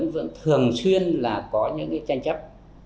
vẫn thường xuyên là có những cái tranh chấp